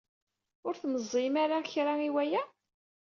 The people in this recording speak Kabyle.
Ur tmeẓẓiyem ara kra i waya?